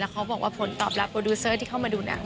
เขาบอกว่าผลตอบรับโปรดิวเซอร์ที่เข้ามาดูหนัง